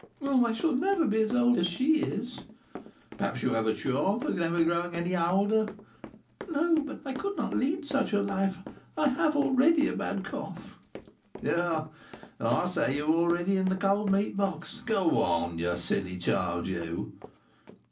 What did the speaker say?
"Oh, I shall never be so old as she is." "Perhaps you have a charm for never growing any older?" "No; but I could not lead such a life. I have already a bad cough." "Ah, I see you already in the 'cold meat box.' Go along, you silly child, you!"